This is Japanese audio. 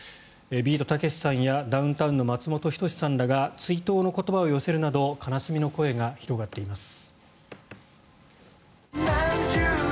ビートたけしさんやダウンタウンの松本人志さんらが追悼の言葉を寄せるなど悲しみの声が広がっています。